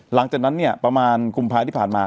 หลังจากนั้นเนี่ยประมาณกุมภาที่ผ่านมา